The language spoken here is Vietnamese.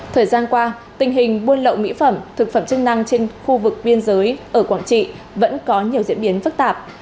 thời gian qua tình hình buôn lậu mỹ phẩm thực phẩm chức năng trên khu vực biên giới ở quảng trị vẫn có nhiều diễn biến phức tạp